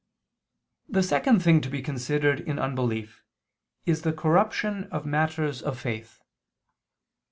The second thing to be considered in unbelief is the corruption of matters of faith.